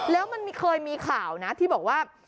แล้วมันเคยมีข่าวนะที่บอกว่า